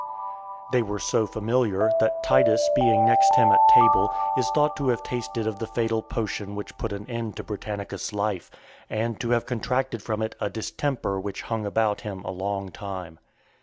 They were so familiar, that Titus being next him at table, is thought to have tasted of the fatal potion which put an end to Britannicus's life, and to have contracted from it a distemper which hung about him a long time.